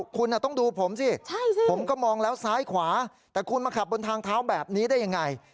คุณต้องดูผมสิผมก็มองแล้วซ้ายขวาแต่คุณมาขับบนทางเท้าแบบนี้ได้ยังไง